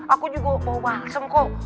aku juga bawa balsem kok